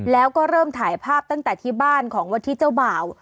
แล้วก็เริ่มถ่ายภาพตั้งแต่ที่บ้านของวันที่เจ้าบ่าว